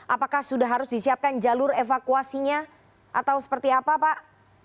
apakah sudah harus disiapkan jalur evakuasinya atau seperti apa pak